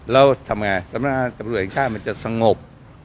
แล้วทำไงสำนักงานตำรวจแห่งชาติมันจะสงบ